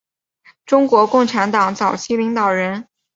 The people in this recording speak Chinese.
中国共产党早期领导人。